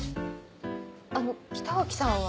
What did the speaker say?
あの北脇さんは？